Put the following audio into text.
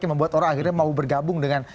yang membuat orang akhirnya mau bergabung dengan